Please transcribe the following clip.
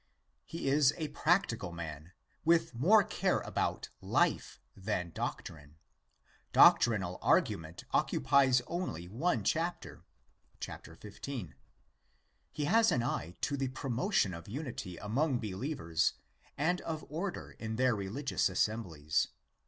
He is a practical man, with more care about life than doctrine. Doctrinal argument occupies only one chapter (xv.). He has an eye to the promotion of unity among believers and of order in their religious assemblies.